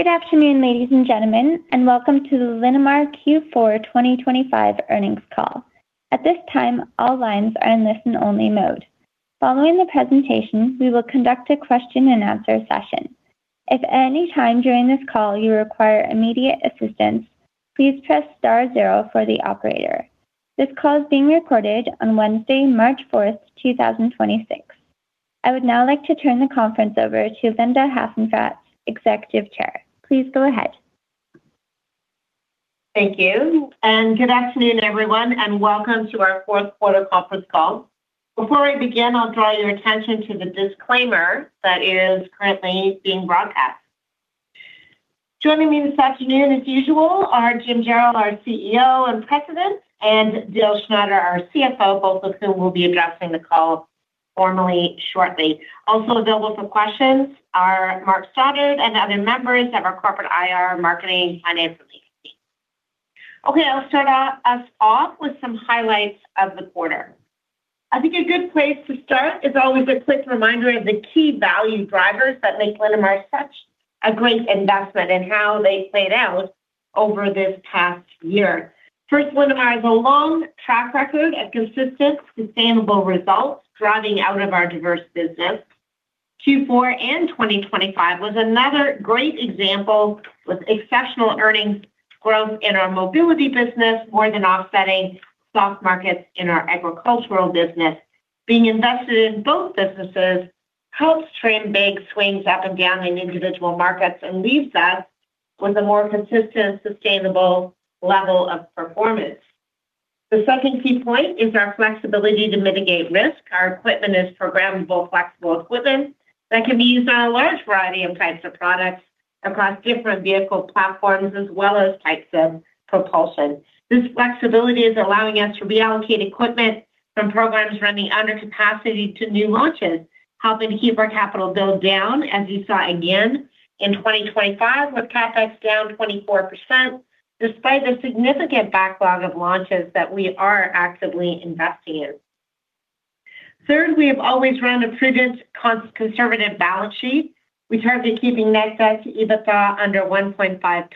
Good afternoon, ladies and gentlemen, and welcome to the Linamar Q4 2025 earnings call. At this time, all lines are in listen-only mode. Following the presentation, we will conduct a question and answer session. If any time during this call you require immediate assistance, please press star zero for the operator. This call is being recorded on Wednesday, March 4, 2026. I would now like to turn the conference over to Linda Hasenfratz, Executive Chair. Please go ahead. Thank you. Good afternoon, everyone, and welcome to our fourth quarter conference call. Before we begin, I'll draw your attention to the disclaimer that is currently being broadcast. Joining me this afternoon, as usual, are Jim Jarrell, our CEO and President, and Dale Schneider, our CFO, both of whom will be addressing the call formally shortly. Also available for questions are Mark Stoddart and other members of our corporate IR marketing finance release team. I'll start us off with some highlights of the quarter. I think a good place to start is always a quick reminder of the key value drivers that make Linamar such a great investment and how they played out over this past year. First, Linamar has a long track record of consistent, sustainable results driving out of our diverse business. Q4 and 2025 was another great example with exceptional earnings growth in our mobility business, more than offsetting soft markets in our agricultural business. Being invested in both businesses helps trim big swings up and down in individual markets and leaves us with a more consistent, sustainable level of performance. The second key point is our flexibility to mitigate risk. Our equipment is programmable, flexible equipment that can be used on a large variety of types of products across different vehicle platforms as well as types of propulsion. This flexibility is allowing us to reallocate equipment from programs running under capacity to new launches, helping to keep our capital build down, as you saw again in 2025, with CapEx down 24% despite a significant backlog of launches that we are actively investing in. Third, we have always run a prudent conservative balance sheet. We target keeping net debt to EBITDA under 1.5x.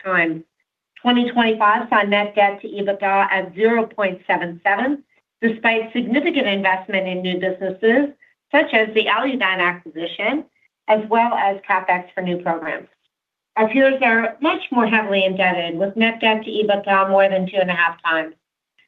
2025 saw net debt to EBITDA at 0.77, despite significant investment in new businesses, such as the Aludyne acquisition, as well as CapEx for new programs. Our peers are much more heavily indebted, with net debt to EBITDA more than 2.5x.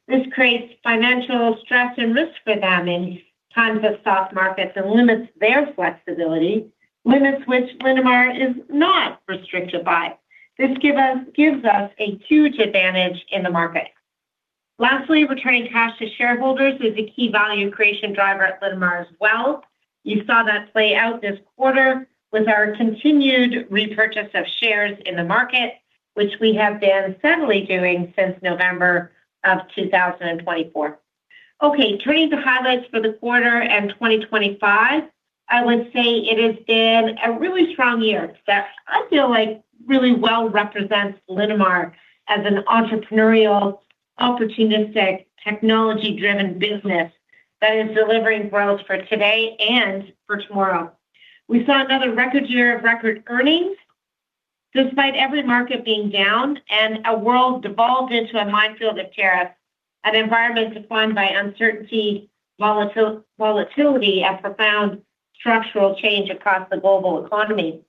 This creates financial stress and risk for them in times of soft markets and limits their flexibility, limits which Linamar is not restricted by. This gives us a huge advantage in the market. Lastly, returning cash to shareholders is a key value creation driver at Linamar as well. You saw that play out this quarter with our continued repurchase of shares in the market, which we have been steadily doing since November of 2024. Turning to highlights for the quarter and 2025, I would say it has been a really strong year that I feel like really well represents Linamar as an entrepreneurial, opportunistic, technology-driven business that is delivering growth for today and for tomorrow. We saw another record year of record earnings despite every market being down and a world devolved into a minefield of tariffs, an environment defined by uncertainty, volatility, a profound structural change across the global economy.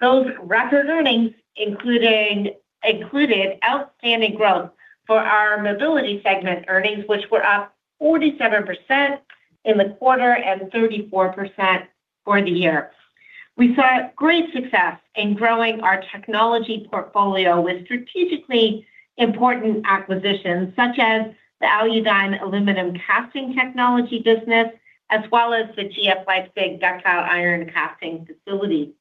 Those record earnings included outstanding growth for our mobility segment earnings, which were up 47% in the quarter and 34% for the year. We saw great success in growing our technology portfolio with strategically important acquisitions, such as the Aludyne aluminum casting technology business as well as the GF Leipzig ductile iron casting facility.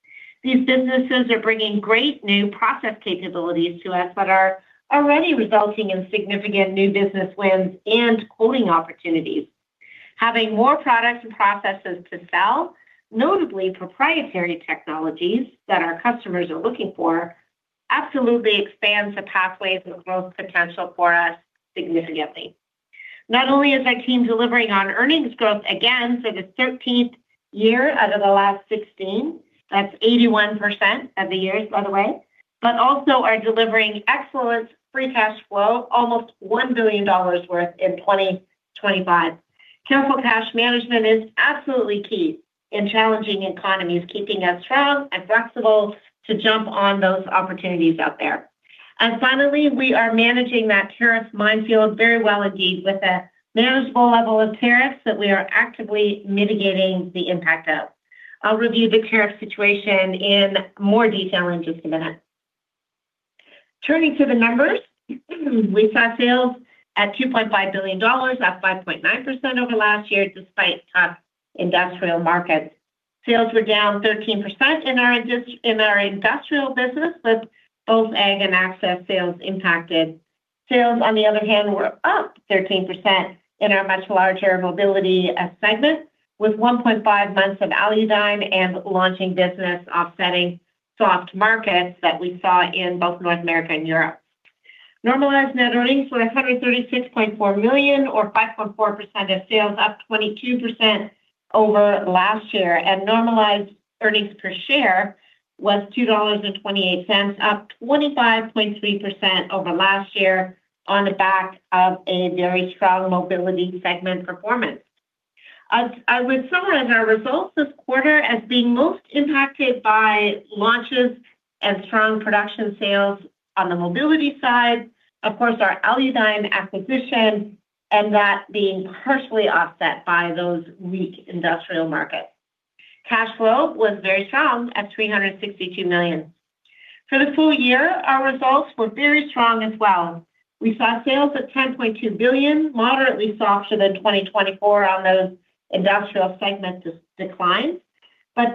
These businesses are bringing great new process capabilities to us that are already resulting in significant new business wins and quoting opportunities. Having more products and processes to sell, notably proprietary technologies that our customers are looking for, absolutely expands the pathways and growth potential for us significantly. Not only is our team delivering on earnings growth again for the 13th year out of the last 16, that's 81% of the years, by the way, but also are delivering excellent free cash flow, almost 1 billion dollars worth in 2025. Careful cash management is absolutely key in challenging economies, keeping us strong and flexible to jump on those opportunities out there. Finally, we are managing that tariff minefield very well indeed with a manageable level of tariffs that we are actively mitigating the impact of. I'll review the tariff situation in more detail in just a minute. Turning to the numbers, we saw sales at 2.5 billion dollars, up 5.9% over last year despite tough industrial markets. Sales were down 13% in our industrial business, with both Ag and access sales impacted. Sales, on the other hand, were up 13% in our much larger mobility segment, with 1.5 months of Aludyne and launching business offsetting soft markets that we saw in both North America and Europe. Normalized net earnings were 136.4 million or 5.4% of sales, up 22% over last year. Normalized earnings per share was 2.28 dollars, up 25.3% over last year on the back of a very strong mobility segment performance. I would summarize our results this quarter as being most impacted by launches and strong production sales on the mobility side. Of course, our Aludyne acquisition and that being partially offset by those weak industrial markets. Cash flow was very strong at 362 million. For the full year, our results were very strong as well. We saw sales at 10.2 billion, moderately softer than 2024 on those industrial segment declines.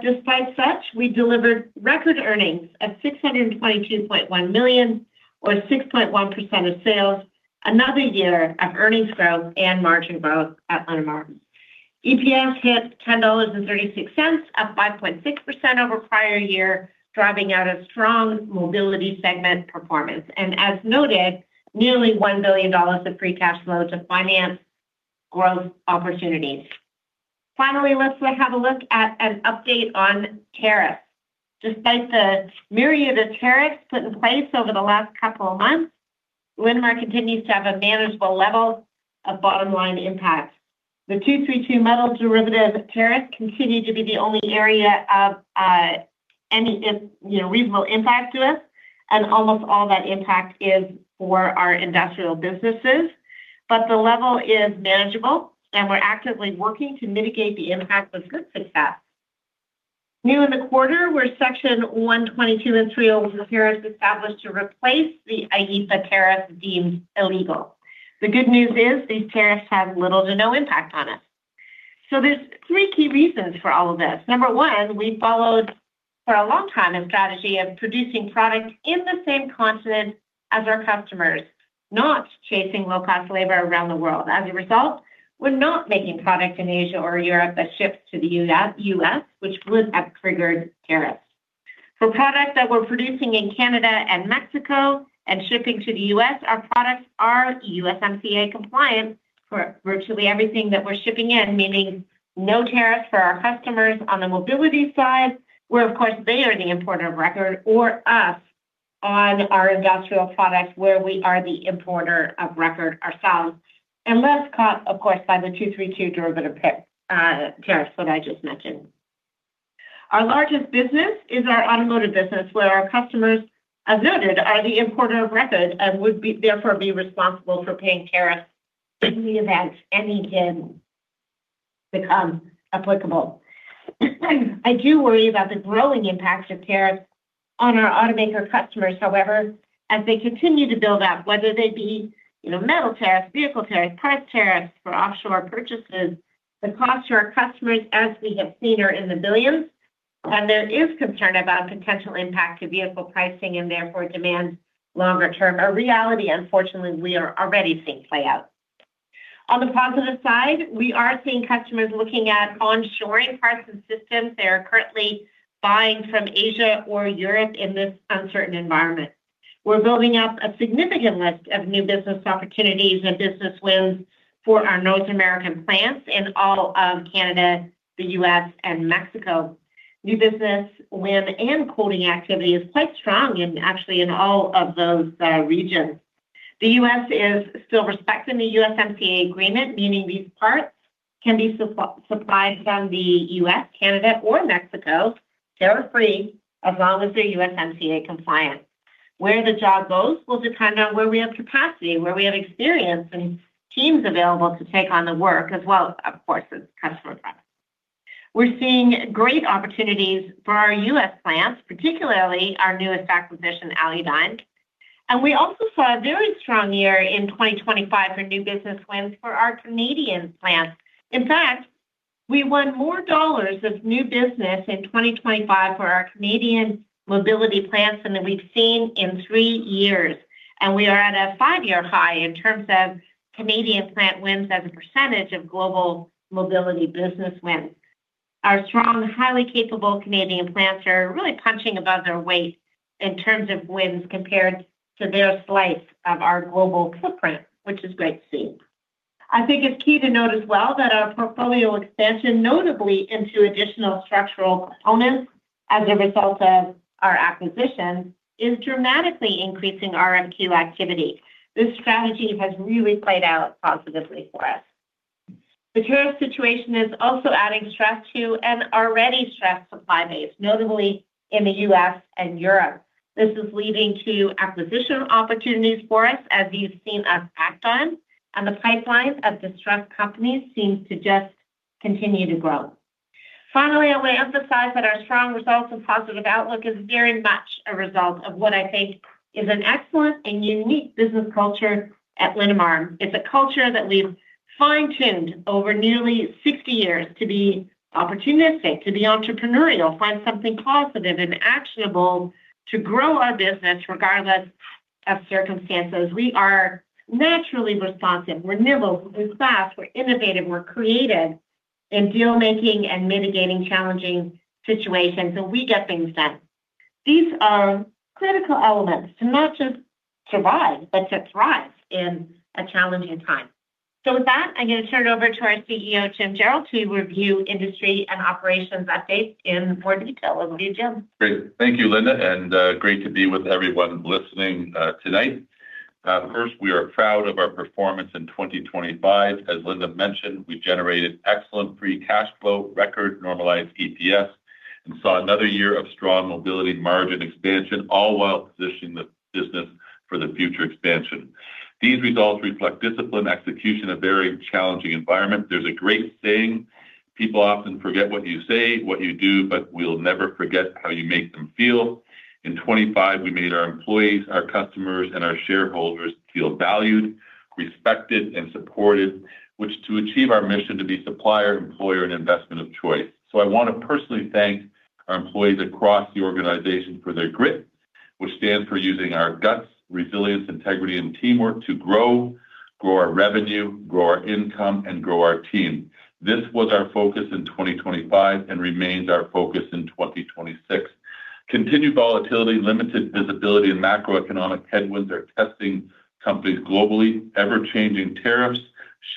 Despite such, we delivered record earnings of 622.1 million or 6.1% of sales. Another year of earnings growth and margin growth at Linamar. EPS hit 10.36 dollars, up 5.6% over prior year, driving out a strong mobility segment performance. As noted, nearly 1 billion dollars of free cash flow to finance growth opportunities. Finally, let's have a look at an update on tariffs. Despite the myriad of tariffs put in place over the last couple of months, Linamar continues to have a manageable level of bottom line impact. The Section 232 metal derivative tariff continued to be the only area of any, you know, reasonable impact to us, and almost all that impact is for our industrial businesses. The level is manageable, and we're actively working to mitigate the impact as good as we can. New in the quarter were Section 122 and Section 306 tariffs established to replace the IEEPA tariff deemed illegal. The good news is these tariffs have little to no impact on us. There's three key reasons for all of this. Number one, we followed for a long time a strategy of producing product in the same continent as our customers, not chasing low cost labor around the world. As a result, we're not making product in Asia or Europe that ships to the U.S., which would have triggered tariffs. For product that we're producing in Canada and Mexico and shipping to the U.S., our products are USMCA compliant for virtually everything that we're shipping in, meaning no tariffs for our customers on the mobility side, where of course they are the importer of record or us on our industrial products where we are the importer of record ourselves, unless caught of course by the 232 derivative tariffs that I just mentioned. Our largest business is our automotive business, where our customers, as noted, are the importer of record and would be therefore be responsible for paying tariffs in the event any can become applicable. I do worry about the growing impact of tariffs on our automaker customers, however, as they continue to build out, whether they be, you know, metal tariffs, vehicle tariffs, parts tariffs for offshore purchases, the cost to our customers, as we have seen, are in the billions. There is concern about potential impact to vehicle pricing and therefore demand longer term, a reality unfortunately we are already seeing play out. On the positive side, we are seeing customers looking at onshoring parts and systems they are currently buying from Asia or Europe in this uncertain environment. We're building out a significant list of new business opportunities and business wins for our North American plants in all of Canada, the U.S., and Mexico. New business win and quoting activity is quite strong in actually in all of those regions. The U.S. is still respecting the USMCA agreement, meaning these parts can be supplied from the U.S., Canada, or Mexico tariff free as long as they're USMCA compliant. Where the job goes will depend on where we have capacity, where we have experience and teams available to take on the work as well, of course, as customer preference. We're seeing great opportunities for our U.S. plants, particularly our newest acquisition, Aludyne. We also saw a very strong year in 2025 for new business wins for our Canadian plants. In fact, we won more dollars of new business in 2025 for our Canadian mobility plants than we've seen in three years. We are at a five year high in terms of Canadian plant wins as a percent of global mobility business wins. Our strong, highly capable Canadian plants are really punching above their weight in terms of wins compared to their slice of our global footprint, which is great to see. I think it's key to note as well that our portfolio expansion, notably into additional structural components as a result of our acquisitions, is dramatically increasing RFQ activity. This strategy has really played out positively for us. The tariff situation is also adding stress to an already stressed supply base, notably in the U.S. and Europe. This is leading to acquisition opportunities for us as you've seen us act on, and the pipelines of distressed companies seem to just continue to grow. Finally, I want to emphasize that our strong results and positive outlook is very much a result of what I think is an excellent and unique business culture at Linamar. It's a culture that we've fine-tuned over nearly 60 years to be opportunistic, to be entrepreneurial, find something positive and actionable to grow our business regardless of circumstances. We are naturally responsive. We're nimble, we're fast, we're innovative, we're creative. In deal making and mitigating challenging situations, and we get things done. These are critical elements to not just survive, but to thrive in a challenging time. With that, I'm gonna turn it over to our CEO, Jim Jarrell, to review industry and operations updates in more detail. Over to you, Jim. Great. Thank you, Linda. Great to be with everyone listening tonight. First, we are proud of our performance in 2025. As Linda mentioned, we generated excellent free cash flow, record normalized EPS, and saw another year of strong mobility margin expansion, all while positioning the business for the future expansion. These results reflect discipline, execution, a very challenging environment. There's a great saying, people often forget what you say, what you do, but will never forget how you make them feel. In 25, we made our employees, our customers, and our shareholders feel valued, respected, and supported. Which to achieve our mission to be supplier, employer, and investment of choice. I wanna personally thank our employees across the organization for their grit, which stands for using our guts, resilience, integrity, and teamwork to grow our revenue, grow our income, and grow our team. This was our focus in 2025 and remains our focus in 2026. Continued volatility, limited visibility, and macroeconomic headwinds are testing companies globally, ever-changing tariffs,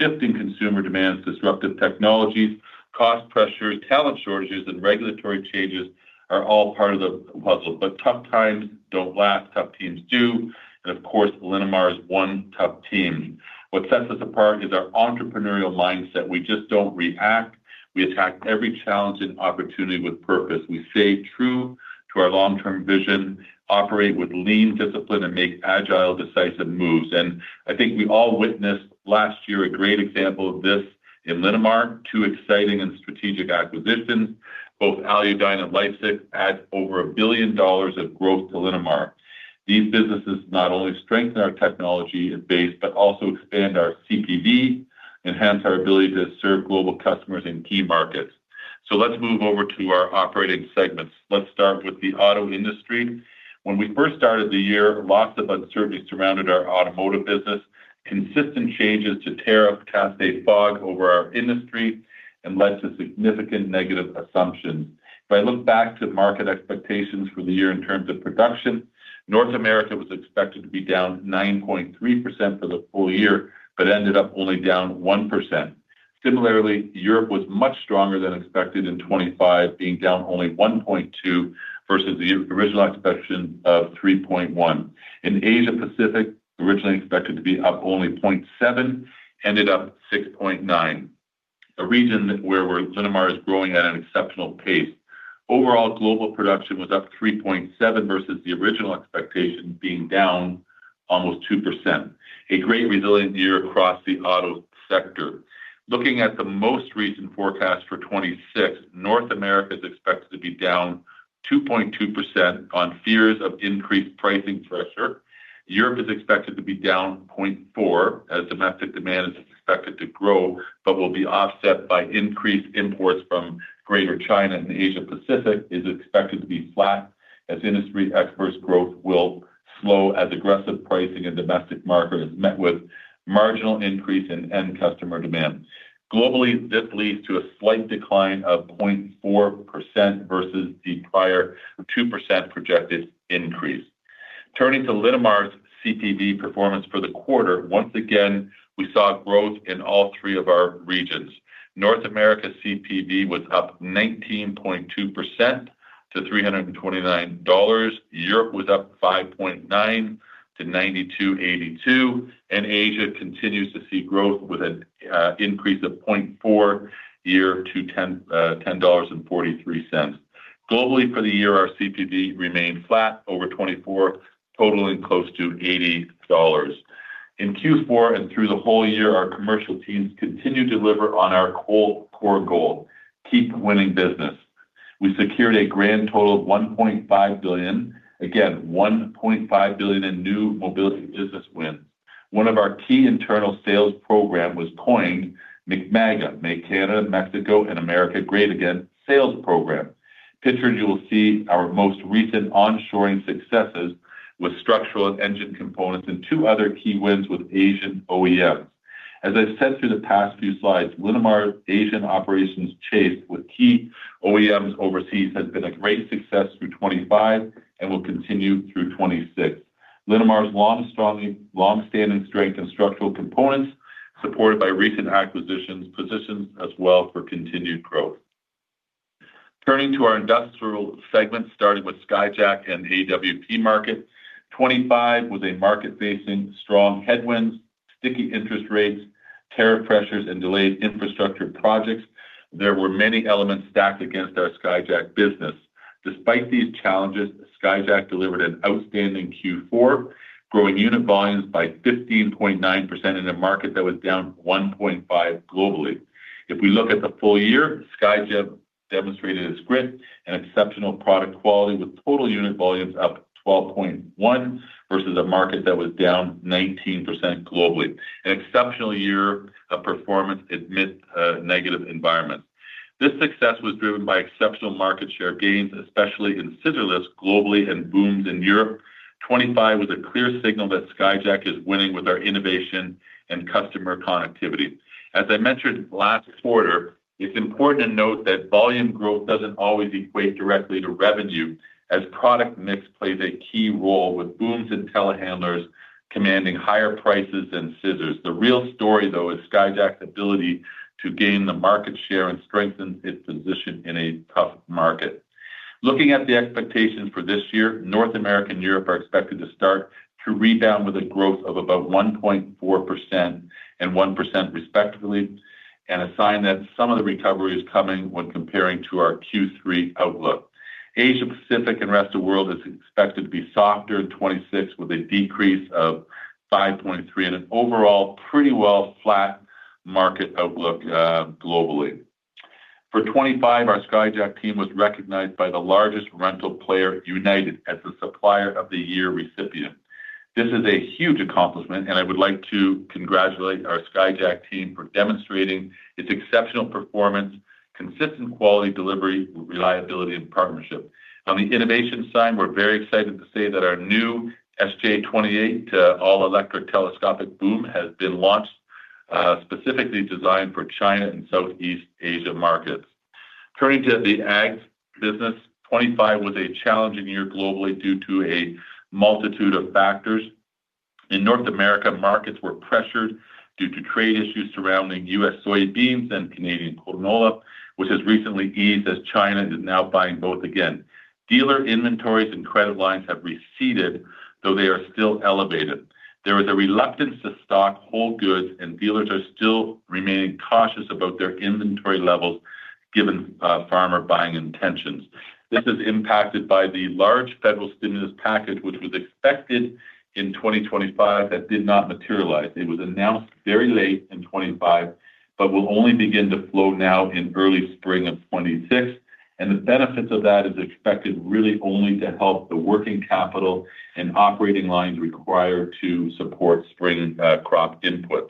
shifting consumer demands, disruptive technologies, cost pressures, talent shortages, and regulatory changes are all part of the puzzle. Tough times don't last, tough teams do. Of course, Linamar is one tough team. What sets us apart is our entrepreneurial mindset. We just don't react. We attack every challenge and opportunity with purpose. We stay true to our long-term vision, operate with lean discipline, and make agile, decisive moves. I think we all witnessed last year a great example of this in Linamar, two exciting and strategic acquisitions. Both Aludyne and Leipzig add over 1 billion dollars of growth to Linamar. These businesses not only strengthen our technology base, but also expand our CPV, enhance our ability to serve global customers in key markets. Let's move over to our operating segments. Let's start with the auto industry. When we first started the year, lots of uncertainty surrounded our automotive business. Consistent changes to tariff cast a fog over our industry and led to significant negative assumptions. If I look back to market expectations for the year in terms of production, North America was expected to be down 9.3% for the full year, but ended up only down 1%. Similarly, Europe was much stronger than expected in 2025, being down only 1.2% versus the original expectation of 3.1%. In Asia Pacific, originally expected to be up only 0.7%, ended up 6.9%. A region where Linamar is growing at an exceptional pace. Overall, global production was up 3.7 versus the original expectation being down almost 2%. A great resilient year across the auto sector. Looking at the most recent forecast for 2026, North America is expected to be down 2.2% on fears of increased pricing pressure. Europe is expected to be down 0.4% as domestic demand is expected to grow, but will be offset by increased imports from Greater China, and the Asia Pacific is expected to be flat as industry experts' growth will slow as aggressive pricing in domestic market is met with marginal increase in end customer demand. Globally, this leads to a slight decline of 0.4% versus the prior 2% projected increase. Turning to Linamar's CPV performance for the quarter, once again, we saw growth in all three of our regions. North America CPV was up 19.2% to $329. Europe was up 5.9% to $92.82, and Asia continues to see growth with an increase of 0.4% year to $10.43. Globally for the year, our CPV remained flat over 24, totaling close to $80. In Q4 and through the whole year, our commercial teams continue to deliver on our core goal, keep winning business. We secured a grand total of $1.5 billion. Again, $1.5 billion in new mobility business wins. One of our key internal sales program was coined MCMAGA, Make Canada, Mexico, and America Great Again sales program. Pictured, you will see our most recent onshoring successes with structural and engine components and two other key wins with Asian OEMs. As I've said through the past few slides, Linamar's Asian operations chase with key OEMs overseas has been a great success through 2025 and will continue through 2026. Linamar's long long-standing strength and structural components supported by recent acquisitions, positions as well for continued growth. Turning to our industrial segment, starting with Skyjack and AWP market. 2025 was a market facing strong headwinds, sticky interest rates, tariff pressures, and delayed infrastructure projects. There were many elements stacked against our Skyjack business. Despite these challenges, Skyjack delivered an outstanding Q4, growing unit volumes by 15.9% in a market that was down 1.5 globally. If we look at the full year, Skyjack demonstrated its grit and exceptional product quality with total unit volumes up 12.1 versus a market that was down 19% globally. An exceptional year of performance amid a negative environment. This success was driven by exceptional market share gains, especially in scissor lifts globally and booms in Europe. 25 was a clear signal that Skyjack is winning with our innovation and customer connectivity. As I mentioned last quarter, it's important to note that volume growth doesn't always equate directly to revenue, as product mix plays a key role, with booms and telehandlers commanding higher prices than scissors. The real story, though, is Skyjack's ability to gain the market share and strengthen its position in a tough market. Looking at the expectations for this year, North America and Europe are expected to start to rebound with a growth of about 1.4% and 1% respectively and a sign that some of the recovery is coming when comparing to our Q3 outlook. Asia Pacific and Rest of World is expected to be softer in 2026, with a decrease of 5.3% and an overall pretty well flat market outlook globally. For 2025, our Skyjack team was recognized by the largest rental player, United, as the Supplier of the Year recipient. This is a huge accomplishment, and I would like to congratulate our Skyjack team for demonstrating its exceptional performance, consistent quality delivery, reliability and partnership. On the innovation side, we're very excited to say that our new SJ28 all-electric telescopic boom has been launched specifically designed for China and Southeast Asia markets. Turning to the ag business, 2025 was a challenging year globally due to a multitude of factors. In North America, markets were pressured due to trade issues surrounding US soybeans and Canadian canola, which has recently eased as China is now buying both again. Dealer inventories and credit lines have receded, though they are still elevated. There is a reluctance to stock whole goods, and dealers are still remaining cautious about their inventory levels given farmer buying intentions. This is impacted by the large federal stimulus package, which was expected in 2025 that did not materialize. It was announced very late in 2025 but will only begin to flow now in early spring of 2026. The benefits of that is expected really only to help the working capital and operating lines required to support spring crop inputs.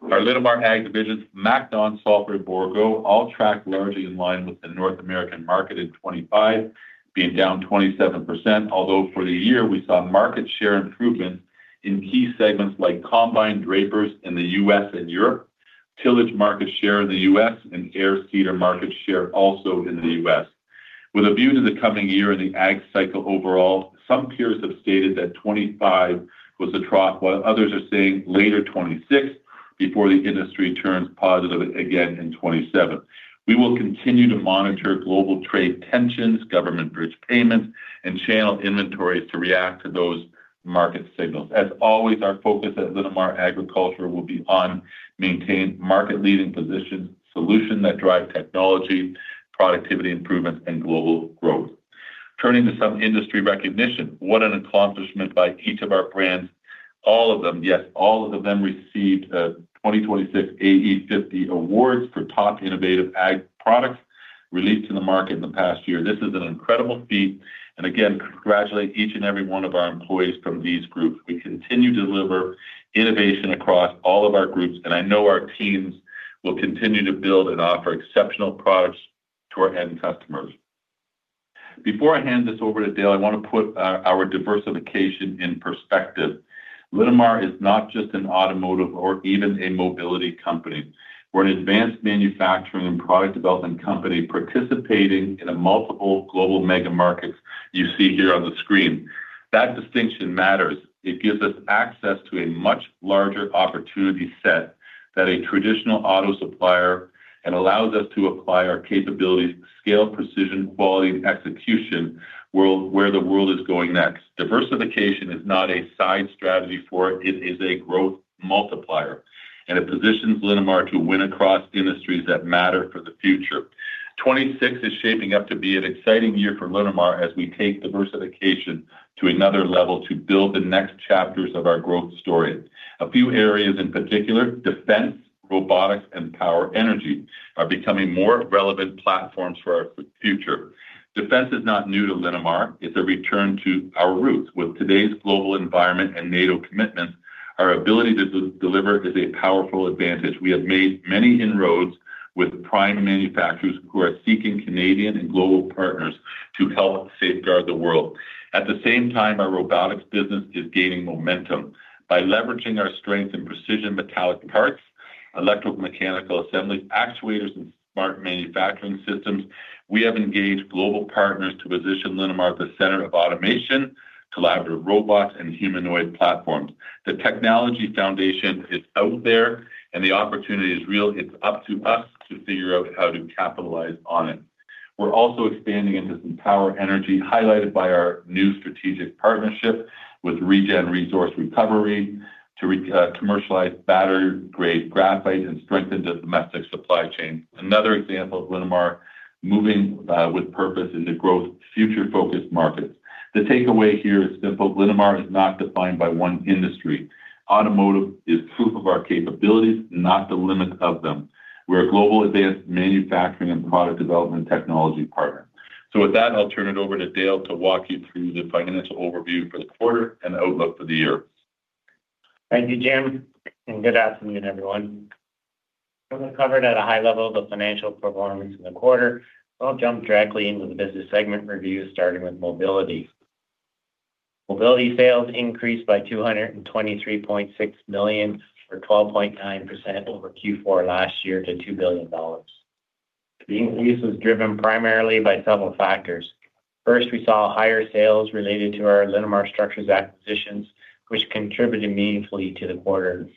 Our Linamar Ag divisions, MacDon, Sulky, and Bourgault, all tracked largely in line with the North American market in 25, being down 27%. For the year, we saw market share improvements in key segments like combine drapers in the U.S. and Europe, tillage market share in the U.S., and air seeder market share also in the U.S. With a view to the coming year and the ag cycle overall, some peers have stated that 25 was a trough, while others are saying later 26 before the industry turns positive again in 27. We will continue to monitor global trade tensions, government bridge payments, and channel inventories to react to those market signals. As always, our focus at Linamar Agriculture will be on maintained market-leading position, solution that drives technology, productivity improvements, and global growth. Turning to some industry recognition. What an accomplishment by each of our brands. All of them, yes, all of them received 2026 AE50 awards for top innovative ag products released to the market in the past year. This is an incredible feat. Again, congratulate each and every one of our employees from these groups. We continue to deliver innovation across all of our groups, and I know our teams will continue to build and offer exceptional products to our end customers. Before I hand this over to Dale, I want to put our diversification in perspective. Linamar is not just an automotive or even a mobility company. We're an advanced manufacturing and product development company participating in a multiple global mega markets you see here on the screen. That distinction matters. It gives us access to a much larger opportunity set that a traditional auto supplier and allows us to apply our capabilities, scale, precision, quality, and execution where the world is going next. Diversification is not a side strategy for it. It is a growth multiplier, and it positions Linamar to win across industries that matter for the future. 2026 is shaping up to be an exciting year for Linamar as we take diversification to another level to build the next chapters of our growth story. A few areas in particular, defense, robotics, and power energy are becoming more relevant platforms for our future. Defense is not new to Linamar. It's a return to our roots. With today's global environment and NATO commitments, our ability to deliver is a powerful advantage. We have made many inroads with prime manufacturers who are seeking Canadian and global partners to help safeguard the world. At the same time, our robotics business is gaining momentum. By leveraging our strength in precision metallic parts, electromechanical assemblies, actuators, and smart manufacturing systems, we have engaged global partners to position Linamar at the center of automation, collaborative robots, and humanoid platforms. The technology foundation is out there and the opportunity is real. It's up to us to figure out how to capitalize on it. We're also expanding into some power energy, highlighted by our new strategic partnership with Regen Resource Recovery to commercialize battery-grade graphite and strengthen the domestic supply chain. Another example of Linamar moving with purpose into growth future-focused markets. The takeaway here is simple: Linamar is not defined by one industry. Automotive is proof of our capabilities, not the limit of them. We're a global advanced manufacturing and product development technology partner. With that, I'll turn it over to Dale to walk you through the financial overview for the quarter and outlook for the year. Thank you, Jim, and good afternoon, everyone. I've covered at a high level the financial performance in the quarter, so I'll jump directly into the business segment review, starting with mobility. Mobility sales increased by 223.6 million, or 12.9% over Q4 last year to 2 billion dollars. The increase was driven primarily by several factors. First, we saw higher sales related to our Linamar Structures acquisitions, which contributed meaningfully to the quarter.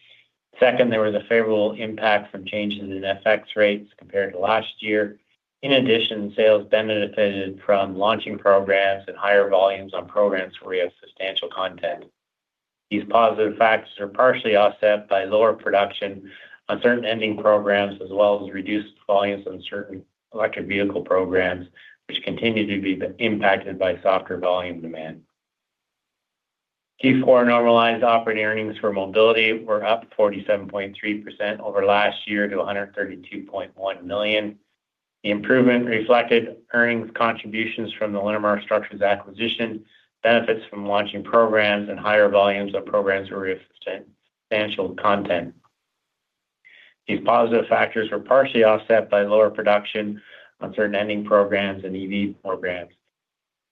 Second, there was a favorable impact from changes in FX rates compared to last year. In addition, sales benefited from launching programs and higher volumes on programs where we have substantial content. These positive factors are partially offset by lower production on certain ending programs, as well as reduced volumes on certain electric vehicle programs, which continue to be impacted by softer volume demand. Q4 normalized operating earnings for mobility were up 47.3% over last year to $132.1 million. The improvement reflected earnings contributions from the Linamar Structures acquisition, benefits from launching programs, and higher volumes of programs with substantial content. These positive factors were partially offset by lower production on certain ending programs and EV programs.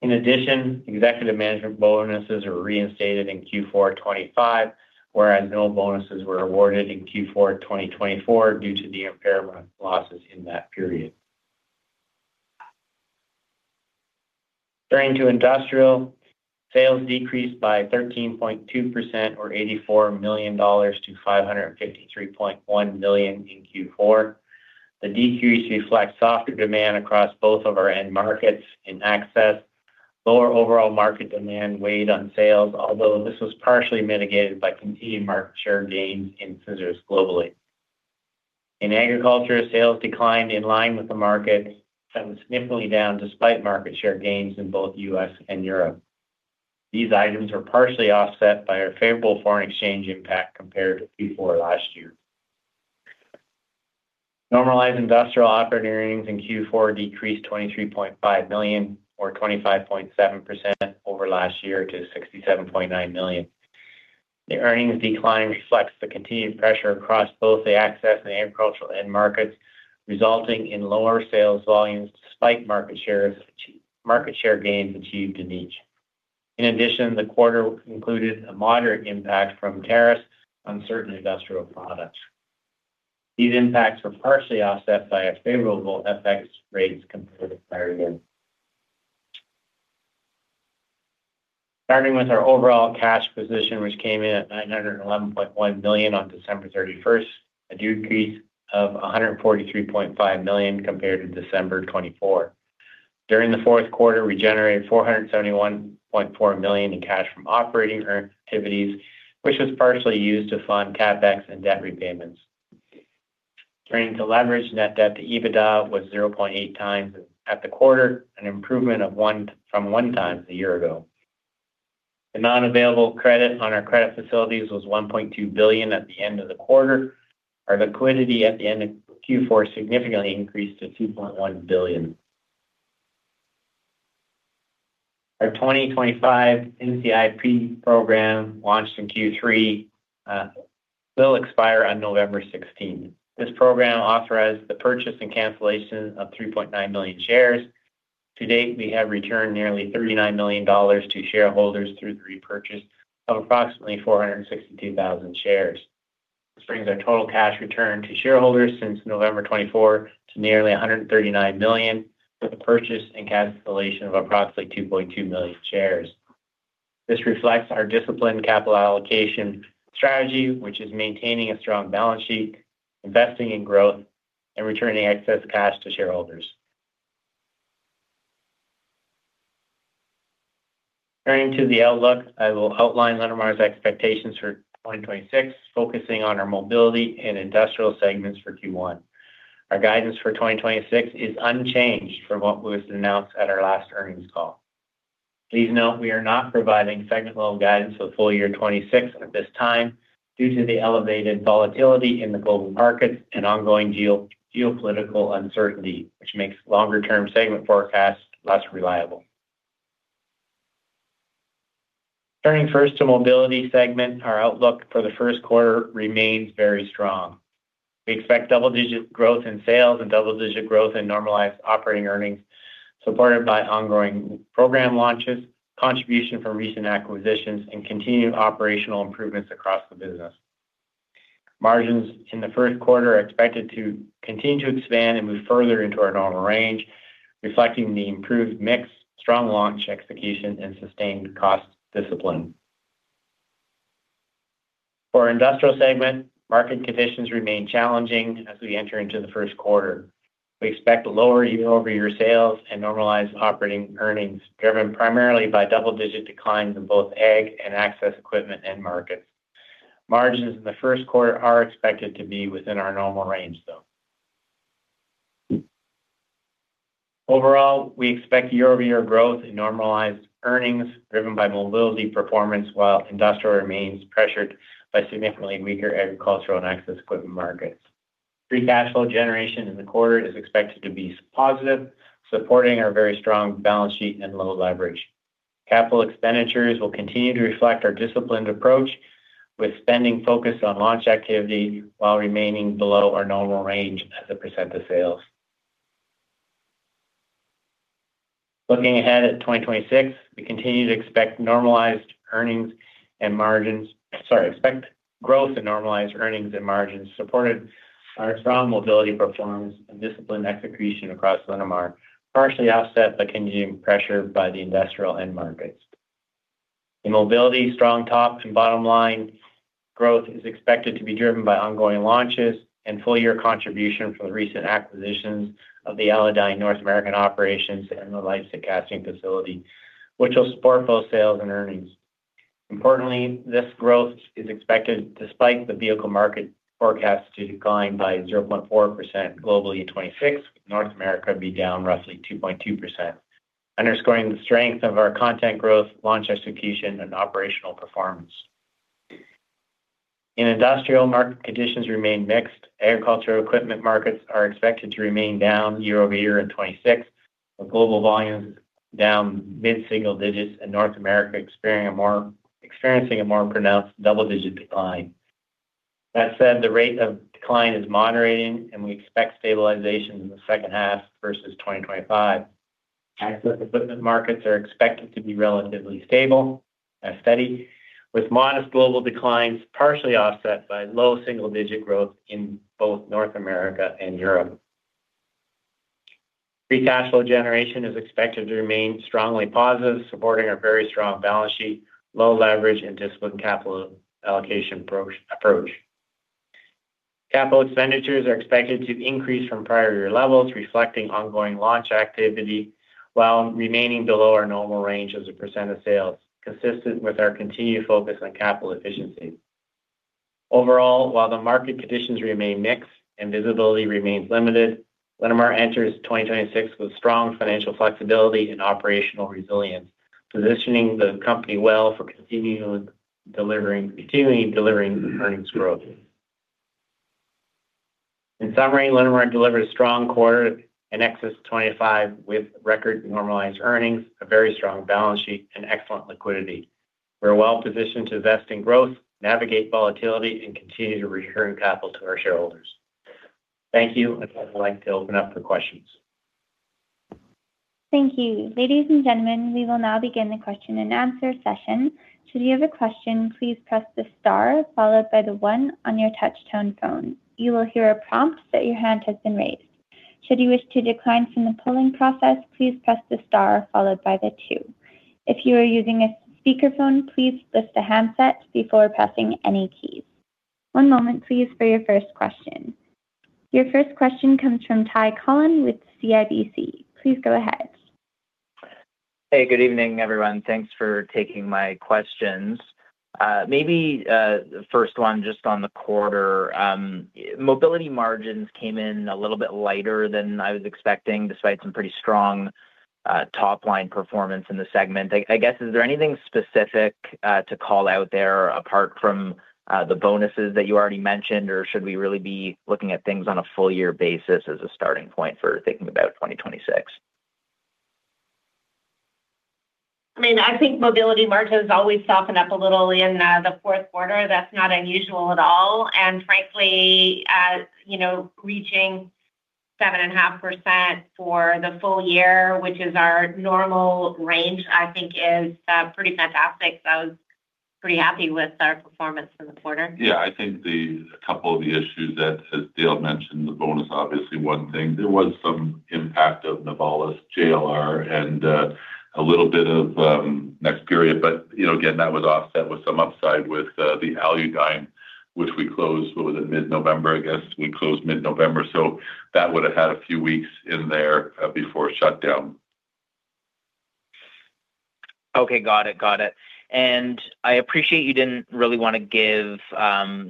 In addition, executive management bonuses were reinstated in Q4 2025, whereas no bonuses were awarded in Q4 2024 due to the impairment losses in that period. Turning to industrial, sales decreased by 13.2% or $84 million-$553.1 million in Q4. The decrease reflects softer demand across both of our end markets in access. Lower overall market demand weighed on sales, although this was partially mitigated by continued market share gains in scissors globally. In agriculture, sales declined in line with the market and significantly down despite market share gains in both U.S. and Europe. These items were partially offset by our favorable foreign exchange impact compared to Q4 last year. Normalized industrial operating earnings in Q4 decreased 23.5 million or 25.7% over last year to 67.9 million. The earnings decline reflects the continued pressure across both the access and agricultural end markets, resulting in lower sales volumes despite market share gains achieved in each. In addition, the quarter included a moderate impact from tariffs on certain industrial products. These impacts were partially offset by a favorable FX rates compared to prior year. Starting with our overall cash position, which came in at 911.1 million on December 31st, a decrease of 143.5 million compared to December 24th. During the fourth quarter, we generated 471.4 million in cash from operating activities, which was partially used to fund CapEx and debt repayments. Turning to leverage, net debt to EBITDA was 0.8x at the quarter, an improvement from 1x a year ago. The non-available credit on our credit facilities was 1.2 billion at the end of the quarter. Our liquidity at the end of Q4 significantly increased to 2.1 billion. Our 2025 NCIB program launched in Q3, will expire on November 16th. This program authorized the purchase and cancellation of 3.9 million shares. To date, we have returned nearly 39 million dollars to shareholders through the repurchase of approximately 462,000 shares. This brings our total cash return to shareholders since November 24 to nearly 139 million with the purchase and cancellation of approximately 2.2 million shares. This reflects our disciplined capital allocation strategy, which is maintaining a strong balance sheet, investing in growth, and returning excess cash to shareholders. Turning to the outlook, I will outline Linamar's expectations for 2026, focusing on our mobility and industrial segments for Q1. Our guidance for 2026 is unchanged from what was announced at our last earnings call. Please note we are not providing segment level guidance for full year 2026 at this time due to the elevated volatility in the global markets and ongoing geopolitical uncertainty, which makes longer-term segment forecasts less reliable. Turning first to mobility segment, our outlook for the first quarter remains very strong. We expect double-digit growth in sales and double-digit growth in normalized operating earnings, supported by ongoing program launches, contribution from recent acquisitions, and continued operational improvements across the business. Margins in the first quarter are expected to continue to expand and move further into our normal range, reflecting the improved mix, strong launch execution, and sustained cost discipline. For our industrial segment, market conditions remain challenging as we enter into the first quarter. We expect lower year-over-year sales and normalized operating earnings, driven primarily by double-digit declines in both ag and access equipment end markets. Margins in the first quarter are expected to be within our normal range though. Overall, we expect year-over-year growth in normalized earnings driven by mobility performance while Industrial remains pressured by significantly weaker agricultural and access equipment markets. Free cash flow generation in the quarter is expected to be so positive, supporting our very strong balance sheet and low leverage. Capital expenditures will continue to reflect our disciplined approach with spending focus on launch activity while remaining below our normal range as a percent of sales. Looking ahead at 2026, we continue to expect growth in normalized earnings and margins supported our strong mobility performance and disciplined execution across Linamar, partially offset by continuing pressure by the Industrial end markets. In mobility, strong top and bottom line growth is expected to be driven by ongoing launches and full-year contribution from the recent acquisitions of the Aludyne North American operations and the Leipzig casting facility, which will support both sales and earnings. Importantly, this growth is expected despite the vehicle market forecast to decline by 0.4% globally in 2026, with North America be down roughly 2.2%, underscoring the strength of our content growth, launch execution and operational performance. In industrial market conditions remain mixed. Agricultural equipment markets are expected to remain down year-over-year in 2026, with global volumes down mid-single digits and North America experiencing a more pronounced double-digit decline. That said, the rate of decline is moderating, and we expect stabilization in the second half versus 2025. Access equipment markets are expected to be relatively stable and steady, with modest global declines partially offset by low single-digit growth in both North America and Europe. Free cash flow generation is expected to remain strongly positive, supporting our very strong balance sheet, low leverage and disciplined capital allocation approach. Capital expenditures are expected to increase from prior year levels, reflecting ongoing launch activity while remaining below our normal range as a percent of sales, consistent with our continued focus on capital efficiency. Overall, while the market conditions remain mixed and visibility remains limited, Linamar enters 2026 with strong financial flexibility and operational resilience, positioning the company well for continuing delivering earnings growth. In summary, Linamar delivered a strong quarter in excess of 25 with record normalized earnings, a very strong balance sheet and excellent liquidity. We're well-positioned to invest in growth, navigate volatility and continue to return capital to our shareholders. Thank you. I'd now like to open up for questions. Thank you. Ladies and gentlemen, we will now begin the question and answer session. Should you have a question, please press the star followed by the one on your touch tone phone. You will hear a prompt that your hand has been raised. Should you wish to decline from the polling process, please press the star followed by the two. If you are using a speakerphone, please lift the handset before pressing any keys. One moment please for your first question. Your first question comes from Ty Collin with CIBC. Please go ahead. Hey, good evening, everyone. Thanks for taking my questions. Maybe the first one just on the quarter. Mobility margins came in a little bit lighter than I was expecting, despite some pretty strong top-line performance in the segment. I guess, is there anything specific to call out there apart from the bonuses that you already mentioned? Or should we really be looking at things on a full-year basis as a starting point for thinking about 2026? I mean, I think mobility margins always soften up a little in the fourth quarter. That's not unusual at all. Frankly, you know, reaching 7.5% for the full year, which is our normal range, I think is pretty fantastic. I was pretty happy with our performance for the quarter. I think a couple of the issues that, as Dale mentioned, the bonus obviously one thing. There was some impact of Novares JLR and a little bit of next period, but, you know, again, that was offset with some upside with the Aludyne, which we closed, what was it, mid-November, I guess. We closed mid-November, so that would have had a few weeks in there before shutdown. Okay. Got it. Got it. I appreciate you didn't really wanna give,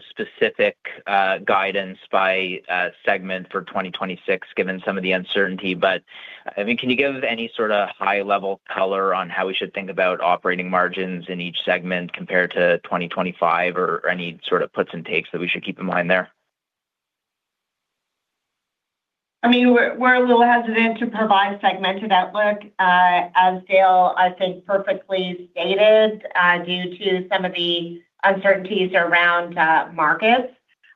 specific, guidance by, segment for 2026 given some of the uncertainty. I mean, can you give any sort of high-level color on how we should think about operating margins in each segment compared to 2025 or any sort of puts and takes that we should keep in mind there? I mean, we're a little hesitant to provide segmented outlook, as Dale, I think, perfectly stated, due to some of the uncertainties around markets.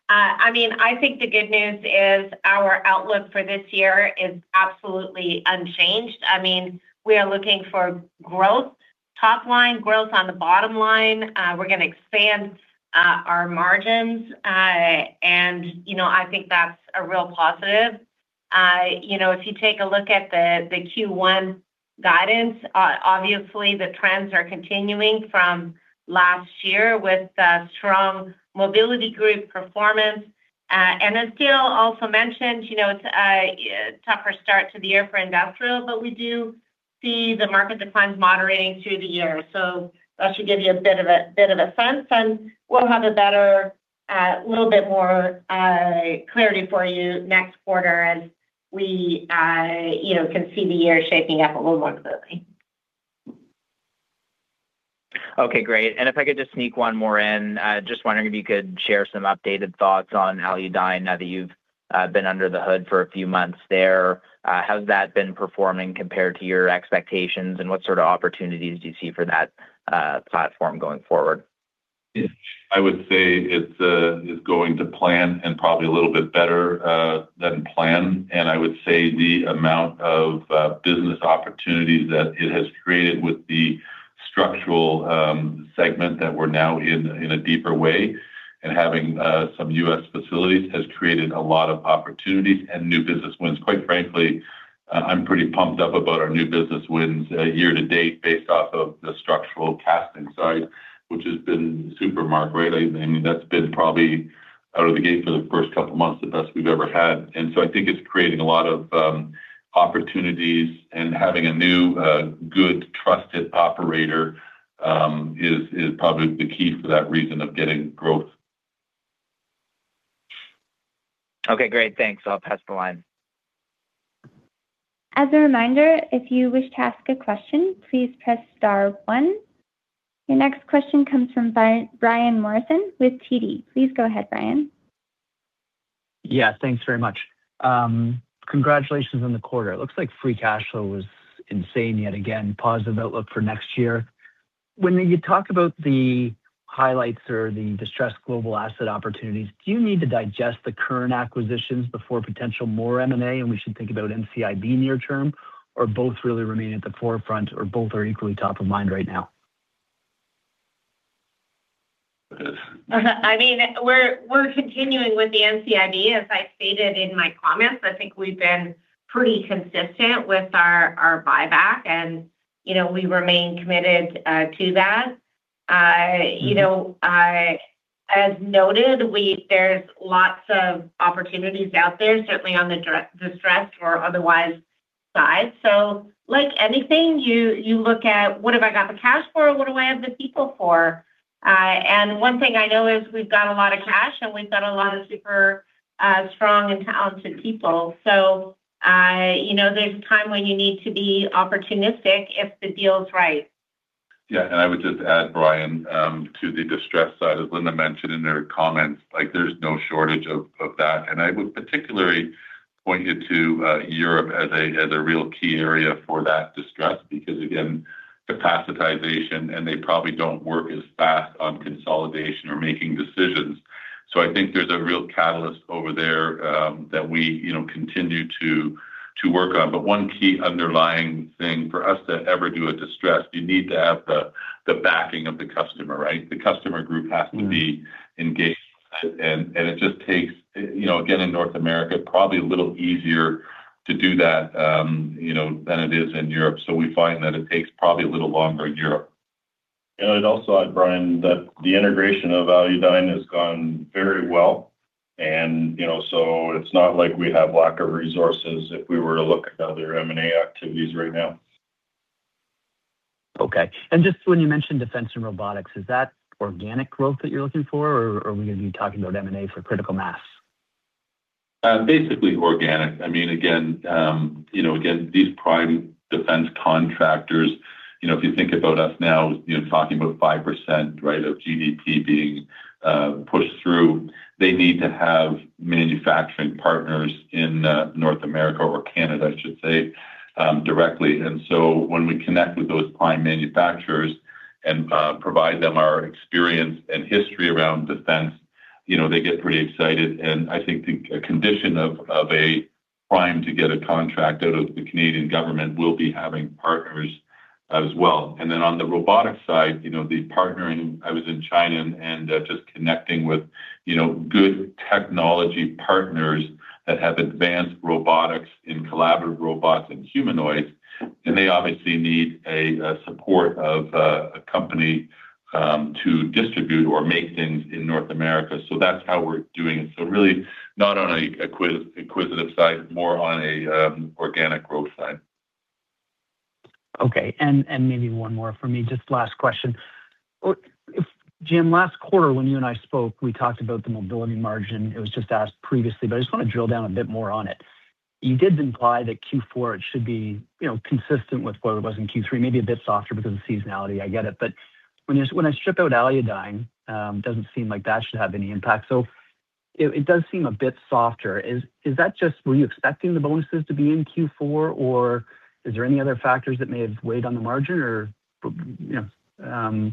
I mean, I think the good news is our outlook for this year is absolutely unchanged. I mean, we are looking for growth, top line growth on the bottom line. We're gonna expand our margins. You know, I think that's a real positive. You know, if you take a look at the Q1 guidance, obviously the trends are continuing from last year with a strong mobility group performance. As Dale also mentioned, you know, it's a tougher start to the year for industrial, but we do see the market declines moderating through the year. That should give you a bit of a sense, and we'll have a better, little bit more, clarity for you next quarter as we, you know, can see the year shaping up a little more clearly. Okay, great. If I could just sneak one more in. Just wondering if you could share some updated thoughts on Aludyne now that you've been under the hood for a few months there. How's that been performing compared to your expectations, and what sort of opportunities do you see for that platform going forward? If I would say it's, is going to plan and probably a little bit better than planned. I would say the amount of business opportunities that it has created with the structural segment that we're now in a deeper way and having some U.S. facilities has created a lot of opportunities and new business wins. Quite frankly, I'm pretty pumped up about our new business wins year-to-date based off of the structural casting side, which has been super Mark related. I mean, that's been probably out of the gate for the first couple of months, the best we've ever had. I think it's creating a lot of opportunities and having a new, good, trusted operator, is probably the key for that reason of getting growth. Okay, great. Thanks. I'll pass the line. As a reminder, if you wish to ask a question, please press star one. Your next question comes from Brian Morrison with TD. Please go ahead, Brian. Yeah, thanks very much. Congratulations on the quarter. It looks like free cash flow was insane yet again. Positive outlook for next year. When you talk about the highlights or the distressed global asset opportunities, do you need to digest the current acquisitions before potential more M&A, and we should think about NCIB near term, or both really remain at the forefront, or both are equally top of mind right now? I mean, we're continuing with the NCIB, as I stated in my comments. I think we've been pretty consistent with our buyback and, you know, we remain committed to that. you know, I as noted, there's lots of opportunities out there, certainly on the distressed or otherwise side. Like anything, you look at what have I got the cash for, what do I have the people for? And one thing I know is we've got a lot of cash and we've got a lot of super strong and talented people. I, you know, there's a time when you need to be opportunistic if the deal is right. Yeah. I would just add Brian, to the distressed side, as Linda mentioned in her comments, like, there's no shortage of that. I would particularly point you to Europe as a, as a real key area for that distress because again, capacitization, and they probably don't work as fast on consolidation or making decisions. I think there's a real catalyst over there, that we, you know, continue to work on. One key underlying thing for us to ever do a distress, you need to have the backing of the customer, right? The customer group has to be engaged. It just takes, you know, again, in North America, probably a little easier to do that, you know, than it is in Europe. We find that it takes probably a little longer in Europe. I'd also add, Brian, that the integration of Aludyne has gone very well and, you know, so it's not like we have lack of resources if we were to look at other M&A activities right now. Okay. Just when you mentioned defense and robotics, is that organic growth that you're looking for or are we going to be talking about M&A for critical mass? Basically organic. I mean, again, you know, again, these prime defense contractors, you know, if you think about us now, you know, talking about 5%, right, of GDP being pushed through. They need to have manufacturing partners in North America or Canada, I should say, directly. When we connect with those prime manufacturers and provide them our experience and history around defense, you know, they get pretty excited. I think the condition of a prime to get a contract out of the Canadian government will be having partners as well. Then on the robotic side, you know, the partnering, I was in China and just connecting with, you know, good technology partners that have advanced robotics in collaborative robots and humanoids, and they obviously need a support of a company to distribute or make things in North America. That's how we're doing it. Really not on a acquisitive side, more on a organic growth side. Okay. Maybe one more for me. Just last question. Jim, last quarter when you and I spoke, we talked about the mobility margin. It was just asked previously, but I just want to drill down a bit more on it. You did imply that Q4, it should be, you know, consistent with what it was in Q3, maybe a bit softer because of seasonality. I get it. When I strip out Aludyne, doesn't seem like that should have any impact. It does seem a bit softer. Is that just were you expecting the bonuses to be in Q4 or is there any other factors that may have weighed on the margin or, you know?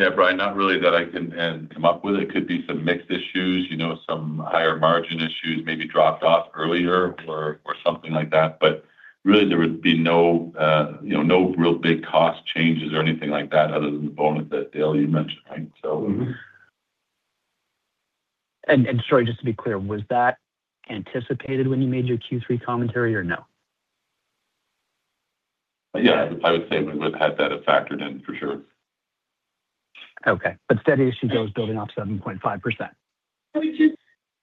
Yeah, Brian, not really that I can come up with. It could be some mix issues, you know, some higher margin issues maybe dropped off earlier or something like that. Really there would be no, you know, no real big cost changes or anything like that other than the bonus that Dale you mentioned. Right. And sorry, just to be clear, was that anticipated when you made your Q3 commentary or no? Yeah, I would say we would had that factored in for sure. Okay. Steady as she goes, building off 7.5%. Let me just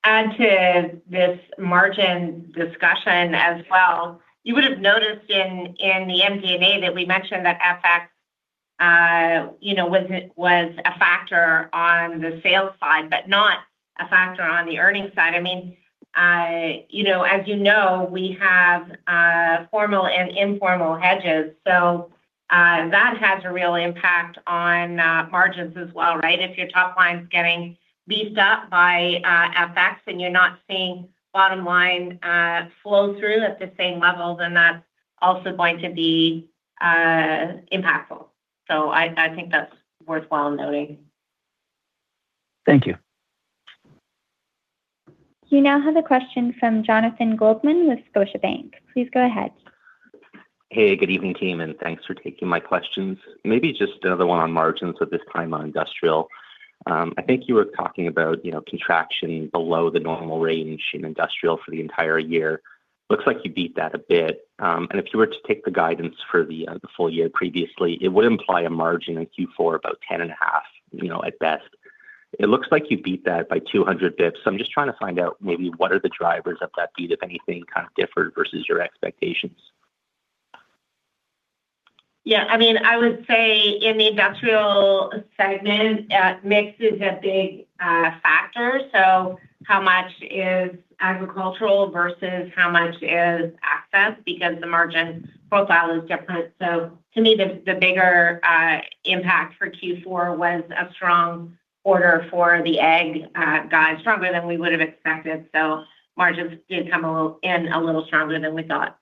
add to this margin discussion as well. You would have noticed in the MD&A that we mentioned that FX. You know, was it, was a factor on the sales side, but not a factor on the earnings side. I mean, you know, as you know, we have formal and informal hedges. That has a real impact on margins as well, right? If your top line's getting beefed up by FX and you're not seeing bottom line flow through at the same level, then that's also going to be impactful. I think that's worthwhile noting. Thank you. You now have a question from Jonathan Goldman with Scotiabank. Please go ahead. Hey, good evening, team, and thanks for taking my questions. Maybe just another one on margins, but this time on industrial. I think you were talking about, you know, contraction below the normal range in industrial for the entire year. Looks like you beat that a bit. If you were to take the guidance for the full year previously, it would imply a margin in Q4 about 10.5%, you know, at best. It looks like you beat that by 200 basis points. I'm just trying to find out maybe what are the drivers of that beat, if anything, kind of differed versus your expectations? Yeah. I mean, I would say in the industrial segment, mix is a big factor. How much is agricultural versus how much is access? Because the margin profile is different. To me, the bigger impact for Q4 was a strong order for the ag guys, stronger than we would have expected. Margins did come in a little stronger than we thought.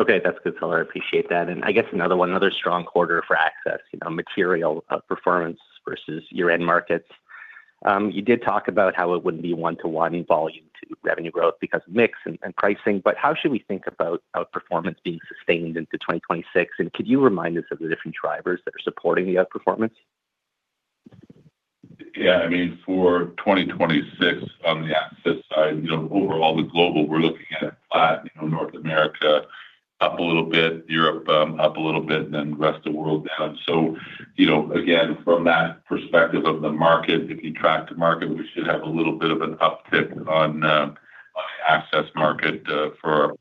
Okay. That's good color. I appreciate that. I guess another one, another strong quarter for access, you know, material performance versus your end markets. You did talk about how it wouldn't be 1-to-1 volume to revenue growth because of mix and pricing, but how should we think about outperformance being sustained into 2026? Could you remind us of the different drivers that are supporting the outperformance? Yeah. I mean, for 2026 on the access side, you know, overall the global, we're looking at flat, you know, North America up a little bit, Europe up a little bit, and then the rest of the world down. You know, again, from that perspective of the market, if you track to market, we should have a little bit of an uptick on the access market for our.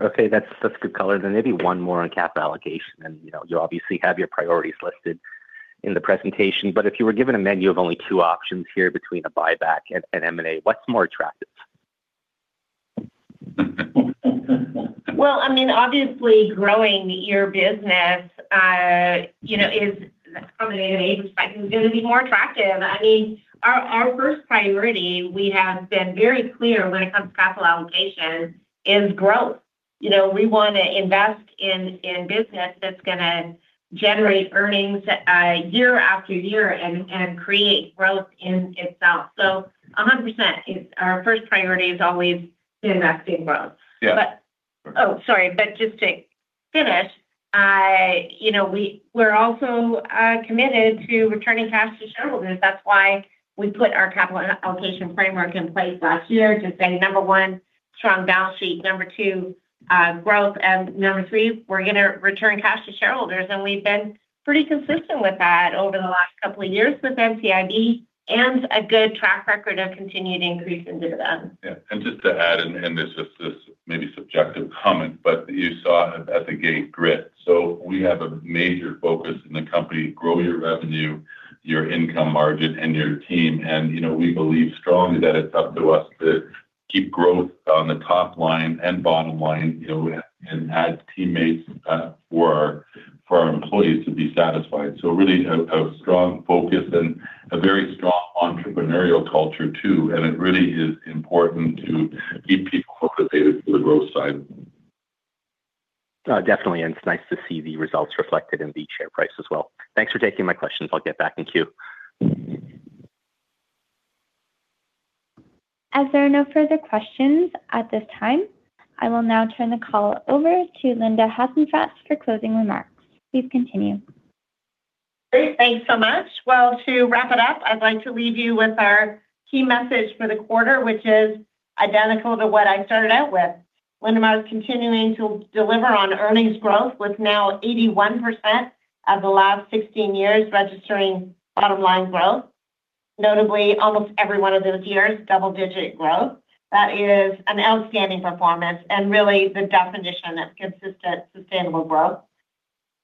Okay. That's good color. Maybe one more on capital allocation. You know, you obviously have your priorities listed in the presentation. If you were given a menu of only two options here between a buyback and M&A, what's more attractive? Well, I mean, obviously growing your business, you know, is from an M&A perspective gonna be more attractive. I mean, our first priority, we have been very clear when it comes to capital allocation, is growth. You know, we wanna invest in business that's gonna generate earnings year-after-year and create growth in itself. 100% is our first priority is always investing growth. Yeah. Oh, sorry. Just to finish, I, you know, we're also committed to returning cash to shareholders. That's why we put our capital allocation framework in place last year to say, number one, strong balance sheet, number two, growth, and number three, we're gonna return cash to shareholders. We've been pretty consistent with that over the last couple of years with NCIB and a good track record of continued increase in dividend. Yeah. Just to add, and this is just maybe subjective comment, but you saw at the gate GRIT. We have a major focus in the company, grow your revenue, your income margin and your team. You know, we believe strongly that it's up to us to keep growth on the top line and bottom line, you know, and add teammates for our employees to be satisfied. Really a strong focus and a very strong entrepreneurial culture too. It really is important to keep people motivated to the growth side. Definitely. It's nice to see the results reflected in the share price as well. Thanks for taking my questions. I'll get back in queue. As there are no further questions at this time, I will now turn the call over to Linda Hasenfratz for closing remarks. Please continue. Great. Thanks so much. Well, to wrap it up, I'd like to leave you with our key message for the quarter, which is identical to what I started out with. Linamar is continuing to deliver on earnings growth with now 81% of the last 16 years registering bottom line growth. Notably, almost every one of those years, double-digit growth. That is an outstanding performance and really the definition of consistent sustainable growth.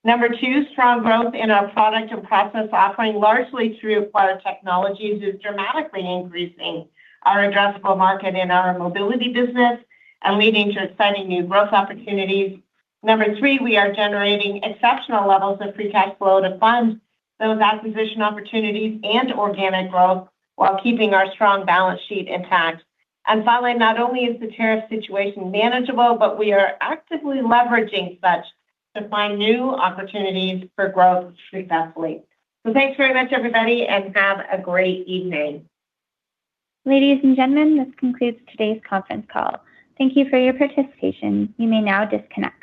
Number two, strong growth in our product and process offering, largely through acquired technologies, is dramatically increasing our addressable market in our mobility business and leading to exciting new growth opportunities. Number three, we are generating exceptional levels of pre-tax flow to fund those acquisition opportunities and organic growth while keeping our strong balance sheet intact. Finally, not only is the tariff situation manageable, but we are actively leveraging such to find new opportunities for growth successfully. Thanks very much, everybody, and have a great evening. Ladies and gentlemen, this concludes today's conference call. Thank you for your participation. You may now disconnect.